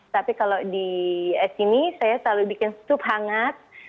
tapi kalau di sini saya selalu bikin sup hangat